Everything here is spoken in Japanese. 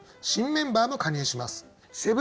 新メンバーも加入します。